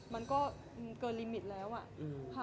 มันก็เกินลิมิตแล้วอะค่ะ